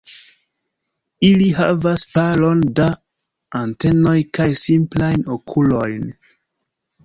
Ili havas paron da antenoj kaj simplajn okulojn.